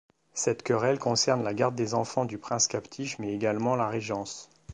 Cette querelle concerne la garde des enfants du prince captif mais également la régence.